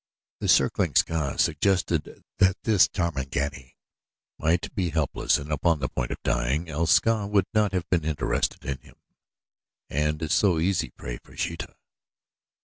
The circling Ska suggested that this Tarmangani might be helpless and upon the point of dying, else Ska would not have been interested in him, and so easy prey for Sheeta.